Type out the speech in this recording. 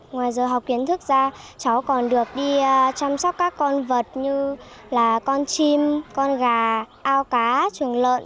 ngoài giờ học kiến thức ra cháu còn được đi chăm sóc các con vật như là con chim con gà ao cá trường lợn